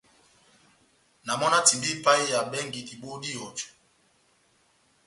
Na mɔ na timbaha ipaheya bɛngi dibohó dá ihɔjɔ.